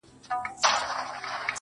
قربانو زه له پيغورو بېرېږم.